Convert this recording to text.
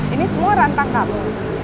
ini semua rantang kamu